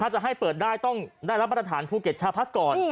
จะให้เปิดได้ต้องได้รับมาตรฐานภูเก็ตชาพัฒน์ก่อน